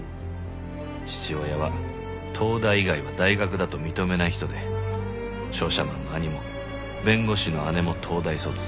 父親は東大以外は大学だと認めない人で商社マンの兄も弁護士の姉も東大卒。